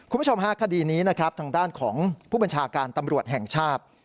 คุณผู้ชมฮะคดีนี้นะครับทางด้านของผู้บัญชาการตำรวจแห่งชาติ